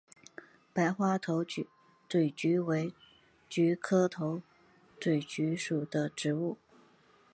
白花头嘴菊为菊科头嘴菊属的植物。